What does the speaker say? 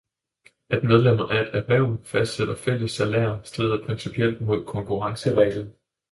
At medlemmer af et erhverv fastsætter fælles salærer strider principielt mod konkurrencereglen.